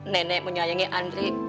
nenek menyayangi andri